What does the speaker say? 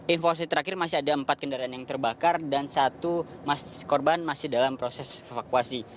informasi terakhir masih ada empat kendaraan yang terbakar dan satu korban masih dalam proses evakuasi